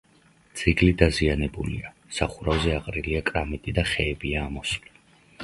ძეგლი დაზიანებულია: სახურავზე აყრილია კრამიტი და ხეებია ამოსული.